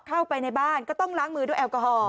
เข้าไปในบ้านก็ต้องล้างมือด้วยแอลกอฮอล